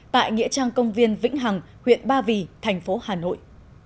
tại nghĩa trang công viên vĩnh hằng huyện ba vì thành phố hà nội